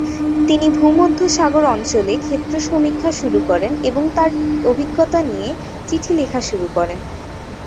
তিনি ভূমধ্যসাগর অঞ্চলে ক্ষেত্র সমীক্ষা শুরু করেন এবং তাঁর অভিজ্ঞতা নিয়ে চিঠি লেখা শুরু করেন।